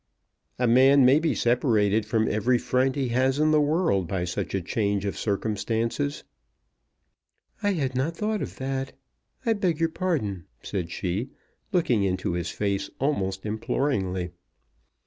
"A man may be separated from every friend he has in the world by such a change of circumstances." "I had not thought of that. I beg your pardon," said she, looking into his face almost imploringly.